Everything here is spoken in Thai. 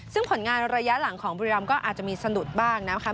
ซึ่งผลงานเรือระยะหลังของบุรีรามก็อาจจะมีสนุทธิ์บ้างนะคะ